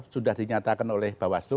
sudah dinyatakan oleh bawasub